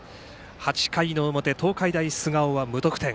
８回の表、東海大菅生は無得点。